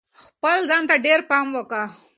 خپل ځان ته ډېر پام کوه.